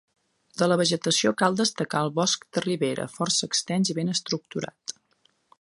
De la vegetació cal destacar el bosc de ribera, força extens i ben estructurat.